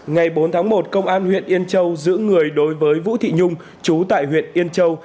ngày bốn tháng một công an huyện yên châu giữ người đối với vũ thị nhung chú tại huyện yên châu